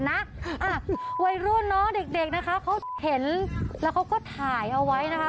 อ่ะวัยรุ่นน้องเด็กนะคะเขาเห็นแล้วเขาก็ถ่ายเอาไว้นะคะ